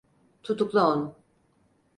Tutukla onu.